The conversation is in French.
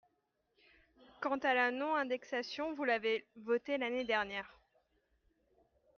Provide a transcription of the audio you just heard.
Quant à la non-indexation, vous l’avez votée l’année dernière.